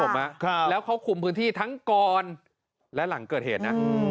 แล้วเขาคุมพื้นที่ทั้งก่อนและหลังเกิดเหตุนะ